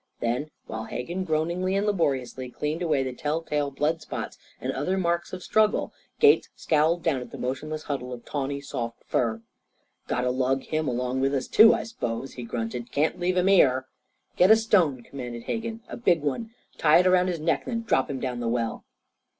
Then, while Hegan groaningly and laboriously cleaned away the tell tale blood spots and other marks of struggle, Gates scowled down at the motionless huddle of tawny soft fur. "Got to lug him along with us, too, I s'pose?" he grunted. "Can't leave him here." "Get a stone," commanded Hegan "a big one. Tie it around his neck. Then drop him down the well."